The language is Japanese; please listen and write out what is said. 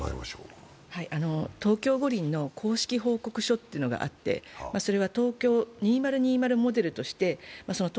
東京五輪の公式報告書というのがあって、それはＴＯＫＹＯ２０２０モデルとしてあるんですね。